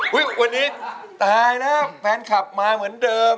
วันนี้ตายแล้วแฟนคลับมาเหมือนเดิม